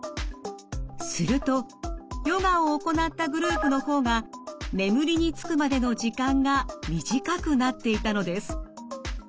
するとヨガを行ったグループの方が眠りにつくまでの時間が短くなっていたのです。